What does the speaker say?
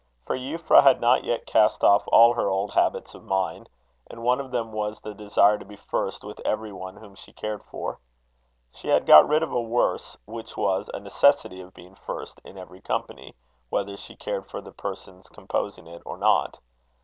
For Euphra had not yet cast off all her old habits of mind, and one of them was the desire to be first with every one whom she cared for. She had got rid of a worse, which was, a necessity of being first in every company, whether she cared for the persons composing it, or not.